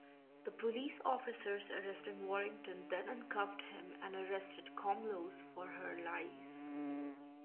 The police officers arresting Warrington then uncuffed him and arrested Komlos for her lies.